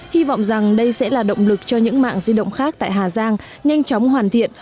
hy vọng rằng đây sẽ là động lực cho những mạng di động khác tại hà giang nhanh chóng hoàn thiện